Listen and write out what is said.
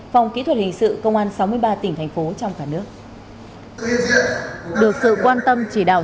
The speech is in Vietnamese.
phòng kỹ thuật hình sự công an sáu mươi ba tỉnh thành phố trong cả nước